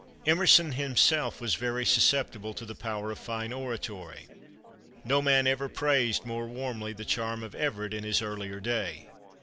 Emerson himself was very susceptible to the power of fine oratory. No man ever praised more warmly the charm of Everett in his earlier day.